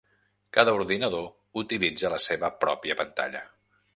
Cada ordinador utilitza la seva pròpia pantalla.